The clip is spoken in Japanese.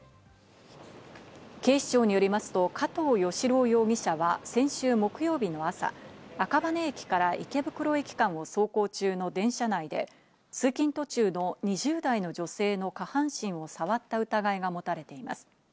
警視庁によりますと、加藤義郎容疑者は先週木曜日の朝、赤羽駅から池袋駅間を走行中の電車内で、通勤途中の２０代の女性の下半身を触った疑いが持たれています。